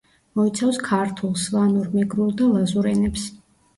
მოიცავს ქართულ, სვანურ, მეგრულ და ლაზურ ენებს.